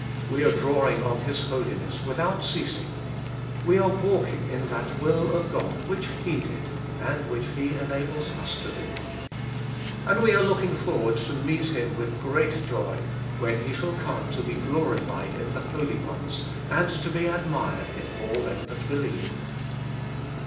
We are drawing on His Holiness without ceasing. We are walking in that will of God which He did, and which He enables us to do. And we are look ing forward to meet Him with great joy, ' when He shall come to be glorified in the holy ones, and to be admired in all them that believe.'